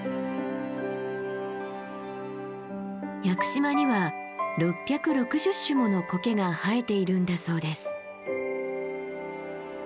屋久島には６６０種もの苔が生えているんだそうです。